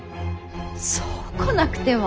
そう来なくては。